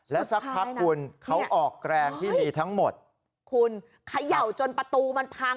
แล้วสักพักคุณเขาออกแรงที่มีทั้งหมดคุณเขย่าจนประตูมันพัง